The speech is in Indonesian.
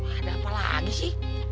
ada apa lagi sih